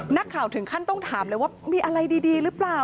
นักข่าวถึงขั้นต้องถามเลยว่ามีอะไรดีหรือเปล่า